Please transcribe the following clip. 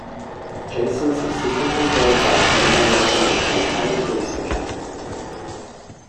Jason subsequently drove out Menelaus and became High Priest again.